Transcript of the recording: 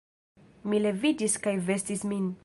Mi leviĝis kaj vestis min.